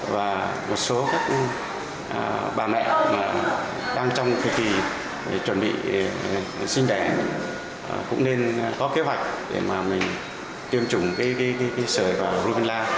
và một số các bà mẹ đang trong kỳ kỳ chuẩn bị sinh đẻ cũng nên có kế hoạch để mà mình tiêm chủng đi sởi vào rubinla